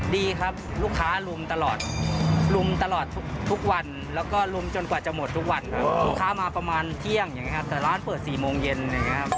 ดีครับลูกค้าลุมตลอดลุมตลอดทุกวันแล้วก็ลุมจนกว่าจะหมดทุกวันครับลูกค้ามาประมาณเที่ยงอย่างนี้ครับแต่ร้านเปิด๔โมงเย็นอย่างนี้ครับ